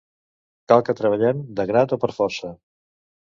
Cal que treballem, de grat o per força.